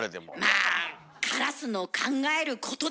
まあカラスの考えることだから！